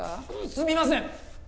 すみません！